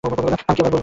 আমি কি আবার বলবো?